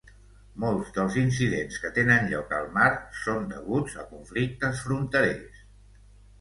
Molts dels incidents que tenen lloc al mar són deguts a conflictes fronterers.